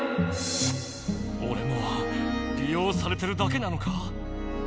おれもり用されてるだけなのか？